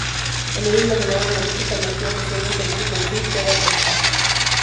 En ella imaginaba humorísticamente una sesión de un político con su terapeuta.